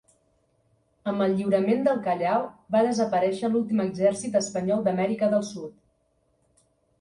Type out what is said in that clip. Amb el lliurament del Callao, va desaparèixer l'últim exèrcit espanyol d'Amèrica del Sud.